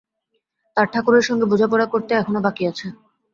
তার ঠাকুরের সঙ্গে বোঝাপড়া করতে এখনো বাকি আছে।